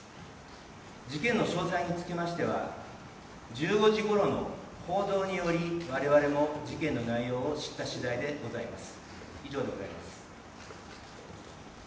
事件の詳細につきましては、報道により我々も事件の内容を知った次第でございます。